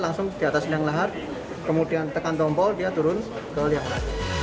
langsung di atas liang lahat kemudian tekan tombol dia turun ke liang lahat